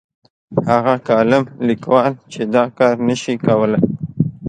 هغه کالم لیکوال چې دا کار نه شي کولای.